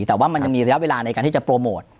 แต่ว่ามันยังมีระยะเวลาในการที่จะโปรโมท